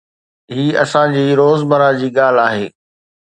هي اسان جي روزمره جي ڳالهه آهي